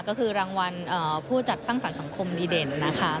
ก็คือรางวัลผู้จัดสร้างฝันสังคมดีเด่นนะคะ